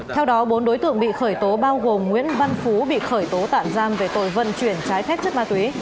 theo đó bốn đối tượng bị khởi tố bao gồm nguyễn văn phú bị khởi tố tạm giam về tội vận chuyển trái phép chất ma túy